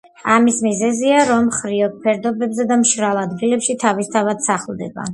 ამის მიზეზია, რომ ხრიოკ ფერდობებზე და მშრალ ადგილებში თავისთავად სახლდება.